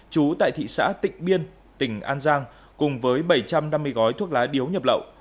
chú tại thị xã tịnh biên tỉnh an giang cùng với bảy trăm năm mươi gói thuốc lá điếu nhập lậu